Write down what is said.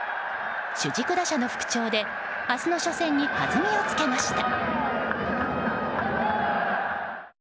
主軸打者の復調で明日の初戦に弾みをつけました。